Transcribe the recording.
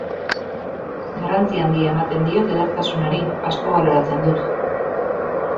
Garrantzi handia ematen diot edertasunari, asko baloratzen dut.